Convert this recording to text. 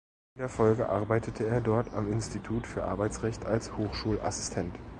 In der Folge arbeitete er dort am Institut für Arbeitsrecht als Hochschulassistent.